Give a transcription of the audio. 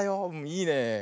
いいねえ。